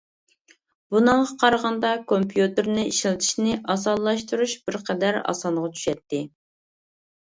بۇنىڭغا قارىغاندا كومپيۇتېرنى ئىشلىتىشنى ئاسانلاشتۇرۇش بىر قەدەر ئاسانغا چۈشەتتى.